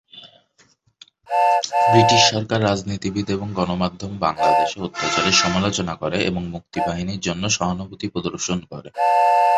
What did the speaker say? British সরকার, রাজনীতিবিদ এবং গণমাধ্যম বাংলাদেশে অত্যাচারের সমালোচনা করে এবং মুক্তি বাহিনীর জন্য সহানুভূতি প্রদর্শন করে।